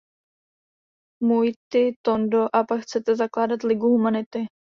Můj ty Tondo, a pak chcete zakládat Ligu humanity!